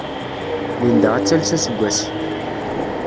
Linda ad tales aseggas!